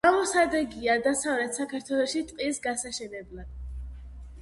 გამოსადეგია დასავლეთ საქართველოში ტყის გასაშენებლად.